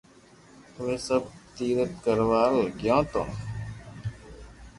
اووي سب تيرٿ ڪروا گيو تو